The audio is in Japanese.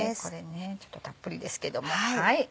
ちょっとたっぷりですけどもはい。